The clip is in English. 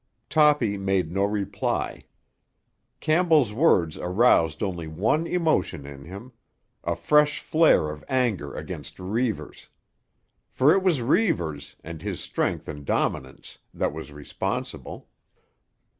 Toppy made no reply. Campbell's words aroused only one emotion in him—a fresh flare of anger against Reivers. For it was Reivers, and his strength and dominance, that was responsible.